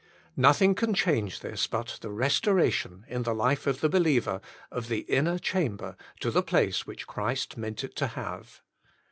Nothing can change this but the restoration, in the life of the believer, of the inner chamber to the place which Christ meant it to have.